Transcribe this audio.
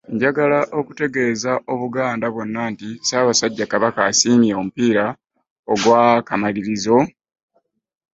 “Njagala okutegeeza Obuganda bwonna nti Ssaabasajja Kabaka asiimye omupiira ogw'akamalirizo"